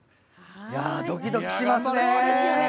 ドキドキしますね！